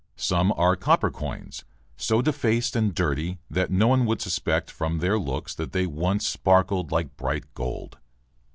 Some are copper coins, so defaced and dirty that no one would suspect from their looks that they had once sparkled like bright gold.